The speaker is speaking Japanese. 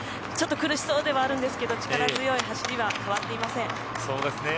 ちょっと苦しそうではあるんですけど力強い走りは変わっていません。